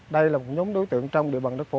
đây là một nhóm đối tượng trong địa bàn đức phố